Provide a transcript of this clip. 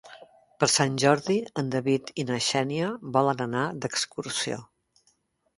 Per Sant Jordi en David i na Xènia volen anar d'excursió.